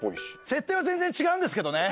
設定は全然違うんですけどね！